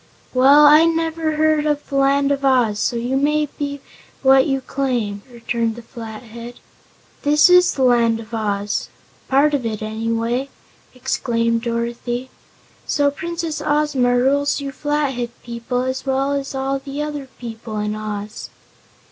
"Well, I've never heard of the Land of Oz, so you may be what you claim," returned the Flathead. "This is the Land of Oz part of it, anyway," exclaimed Dorothy. "So Princess Ozma rules you Flathead people, as well as all the other people in Oz."